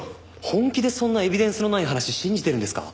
本気でそんなエビデンスのない話信じてるんですか？